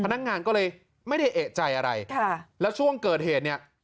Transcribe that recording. พนักงานก็เลยไม่ได้เอกใจอะไรค่ะแล้วช่วงเกิดเหตุเนี่ย